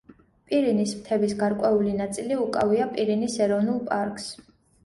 პირინის მთების გარკვეული ნაწილი უკავია პირინის ეროვნულ პარკს.